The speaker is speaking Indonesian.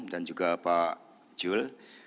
dan juga pak jul